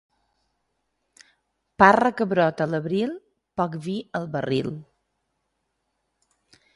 Parra que brota a l'abril, poc vi al barril.